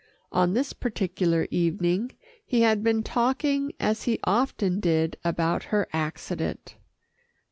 On this particular evening he had been talking as he often did about her accident.